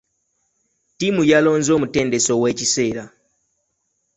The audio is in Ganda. Ttiimu yalonze omutendesi ow'ekiseera.